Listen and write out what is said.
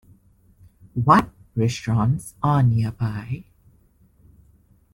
What restaurants are nearby?